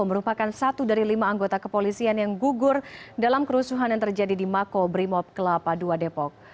merupakan satu dari lima anggota kepolisian yang gugur dalam kerusuhan yang terjadi di mako brimob kelapa ii depok